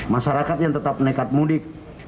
masyarakat yang tetap nekat mudik